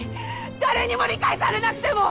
誰にも理解されなくても！